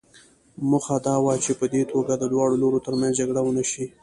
موخه دا وه چې په دې توګه د دواړو لورو ترمنځ جګړه ونه شي.